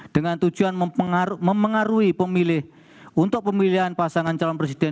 dengan tujuan mempengaruhi pemilih untuk pemilihan pasangan calon presiden